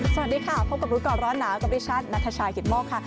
สวัสดีค่ะพบกับรู้กันร้อนหนาวอธิชช์นัทชายหิดโมกค่ะ